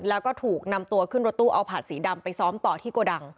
แล้วก็ถูกนำตัวขึ้นรถตู้เอาผาดสีดำไปซ้อมต่อที่โกดัง